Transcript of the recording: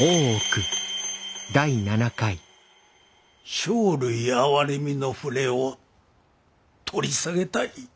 生類憐みの触れを取り下げたい。